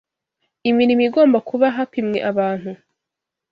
Imirimo igomba kuba hapimwe abantu.